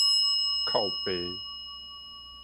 哭爸